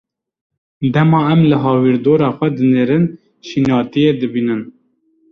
Dema em li hawîrdora xwe dinêrin şînatiyê dibînin.